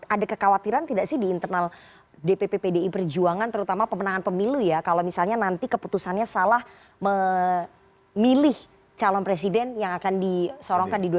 ada kekhawatiran tidak sih di internal dpp pdi perjuangan terutama pemenangan pemilu ya kalau misalnya nanti keputusannya salah memilih calon presiden yang akan disorongkan di dua ribu sembilan belas